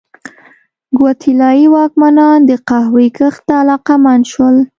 ګواتیلايي واکمنان د قهوې کښت ته علاقمند شول.